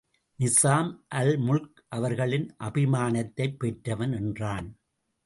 நிசாம் அல்முல்க் அவர்களின் அபிமானத்தைப் பெற்றவன்! என்றான்.